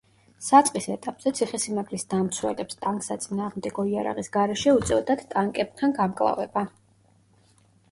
საწყის ეტაპზე, ციხესიმაგრის დამცველებს ტანკსაწინააღმდეგო იარაღის გარეშე უწევდათ ტანკებთან გამკლავება.